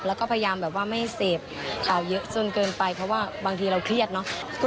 แล้วก็พยายามแบบว่าไม่เสพข่าวเยอะจนเกินไปเพราะว่าบางทีเราเครียดเนอะ